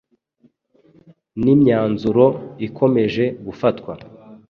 n’imyanzuro ikomeje gufatwa.